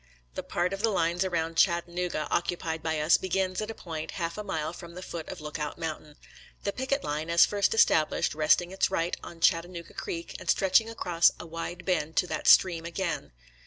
*«♦ The part of the lines around Chattanooga oc cupied by us begins at a point half a mile from the foot of Lookout Mountain; the picket line, as first established, resting its right on Chat tanooga Creek, and stretching across a wide bend to that stream again.